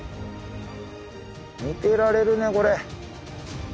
見てられるねこれ。